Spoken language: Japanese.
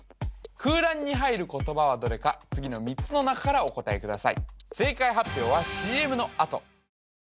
空欄に入る言葉はどれか次の３つの中からお答えください